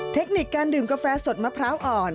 เทคนิคการดื่มกาแฟสดมะพร้าวอ่อน